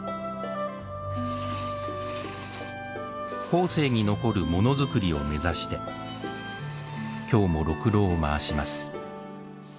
後世に残るモノづくりを目指して今日も、ろくろを回します。